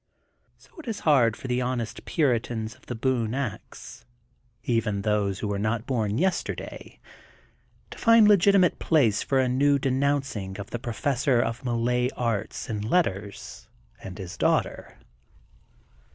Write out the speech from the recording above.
So it is hard for the honest puritans of The Boone Ax, even those who were not bom yes terday, to find legitimate place for a new de nouncing of the Professor of Malay Arts and Letters and his daughter.